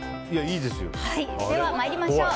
では参りましょう。